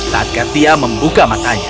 saat katia membuka matanya